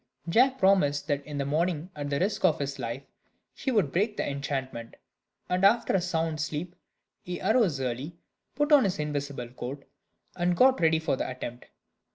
Jack promised that in the morning, at the risk of his life, he would break the enchantment; and after a sound sleep, he arose early, put on his invisible coat, and got ready for the attempt.